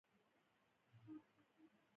واوره د افغانستان د پوهنې په نصاب کې شامل دي.